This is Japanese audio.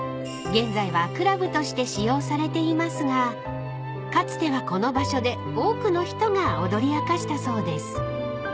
現在はクラブとして使用されていますがかつてはこの場所で多くの人が踊り明かしたそうです］